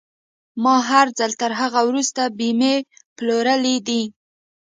ما هر ځل تر هغه وروسته بيمې پلورلې دي.